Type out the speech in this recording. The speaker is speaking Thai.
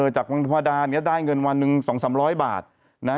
จากบังพัดาเนี่ยได้เงินวันนึง๒๐๐๓๐๐บาทนะ